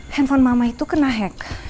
handphone mama itu kena hack